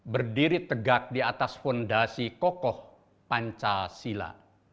berdiri tegak di atas fondasi kokoh pancasila